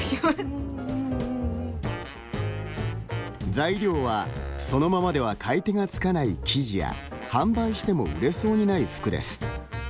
材料は、そのままでは買い手が付かない生地や販売しても売れそうにない服です。